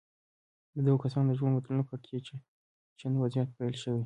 د دغو کسانو د ژوند بدلون له کړکېچن وضعيت پيل شوی.